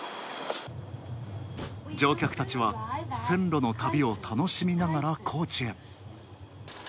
乗客たちは線路の旅を楽しみながら高知へ。